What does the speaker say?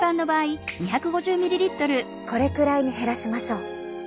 これくらいに減らしましょう。